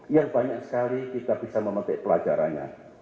yang banyak sekali kita bisa memetik pelajarannya